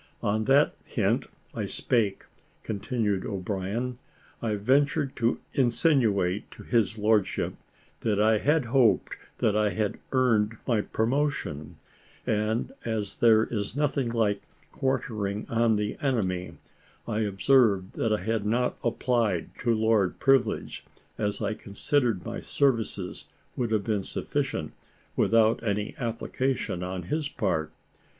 "On that hint I spake," continued O'Brien; "I ventured to insinuate to his lordship, that I had hoped that I had earned my promotion; and as there is nothing like quartering on the enemy, I observed that I had not applied to Lord Privilege, as I considered my services would have been sufficient, without any application on his part.